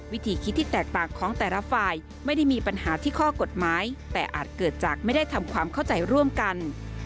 วิธีคิดที่แตกต่างของแต่ละฝ่ายไม่ได้มีปัญหาที่ข้อกฎหมายแต่อาจเกิดจากไม่ได้ทำความเข้าใจร่วมกัน